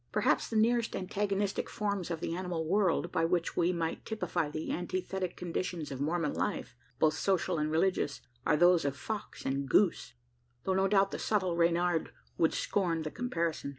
Perhaps the nearest antagonistic forms of the animal world, by which we might typify the antithetic conditions of Mormon life, both social and religious, are those of fox and goose; though no doubt the subtle Reynard would scorn the comparison.